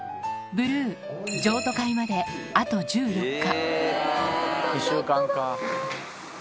ブルー、譲渡会まであと１４日。